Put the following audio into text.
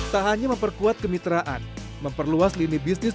tak hanya memperkuat kemitraan memperluas lini bisnis